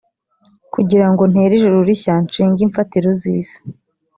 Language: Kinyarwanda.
kugira ngo ntere ijuru rishya nshinge imfatiro z isi